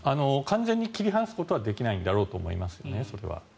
完全に切り離すことはできないんだろうと思います。